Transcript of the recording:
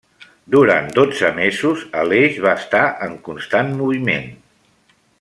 Durant dotze mesos Aleix va estar en constant moviment.